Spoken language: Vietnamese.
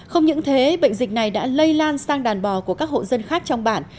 không những thế bệnh dịch này đã lây lan sang đàn bò của các hộ dân khác trong bản